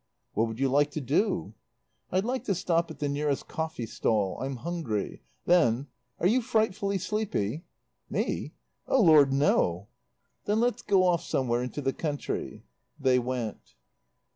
"What would you like to do?" "I'd like to stop at the nearest coffee stall. I'm hungry. Then Are you frightfully sleepy?" "Me? Oh, Lord, no." "Then let's go off somewhere into the country." They went.